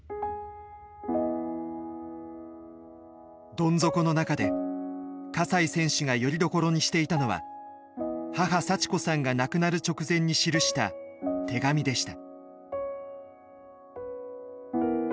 どん底の中で西選手がよりどころにしていたのは母幸子さんが亡くなる直前に記した手紙でした。